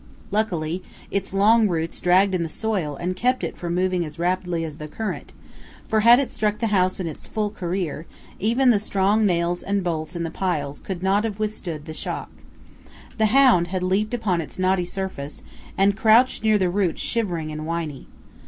Luckily its long roots dragged in the soil and kept it from moving as rapidly as the current, for had it struck the house in its full career, even the strong nails and bolts in the piles could not have withstood the shock. The hound had leaped upon its knotty surface, and crouched near the roots shivering and whining.